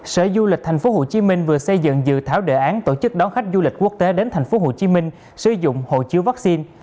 sở du lịch tp hcm vừa xây dựng dự thảo đề án tổ chức đón khách du lịch quốc tế đến tp hcm sử dụng hồ chứa vaccine